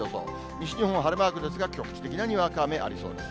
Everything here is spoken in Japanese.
西日本は晴れマークですが、局地的なにわか雨ありそうです。